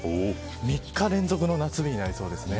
３日連続の夏日になりそうですね。